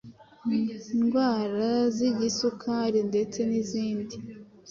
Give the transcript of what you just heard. indwara y’igisukari ndetse nizindi